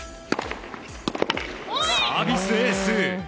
サービスエース。